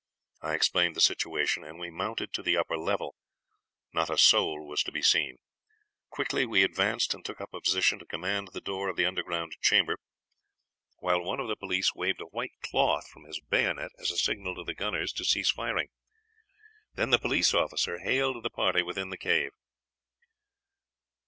I explained the situation, and we mounted to the upper level. Not a soul was to be seen. Quickly we advanced and took up a position to command the door of the underground chamber; while one of the police waved a white cloth from his bayonet as a signal to the gunners to cease firing. Then the officer hailed the party within the cave.